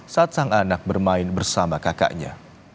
saat sang anak bermain bersama kakaknya